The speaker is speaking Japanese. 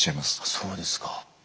そうですか。